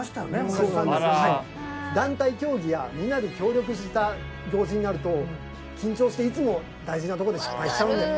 「団体競技やみんなで協力した行事になると緊張していつも大事なところで失敗しちゃうんだ」。